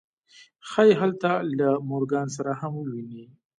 ښایي هلته له مورګان سره هم وویني